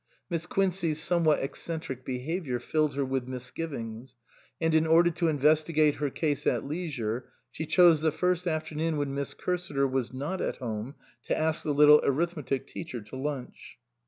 Miss Quincey's somewhat eccentric behaviour filled her with misgivings ; and in order to investigate her case at leisure, she chose the first afternoon when Miss Cursiter was not at home to ask the little arithmetic teacher to lunch.